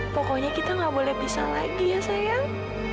pokoknya kita nggak boleh pisah lagi ya sayang